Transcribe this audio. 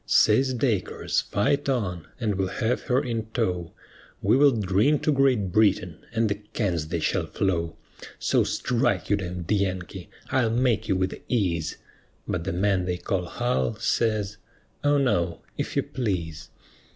Says Dacres, "Fight on, and we'll have her in tow, We will drink to Great Britain, and the cans they shall flow; So strike, you d d Yankee, I'll make you with ease:" But the man they call Hull, says, "O no, if you please."